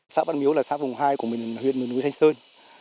xã văn miếu là xã vùng hai của huyện miền núi thanh sơn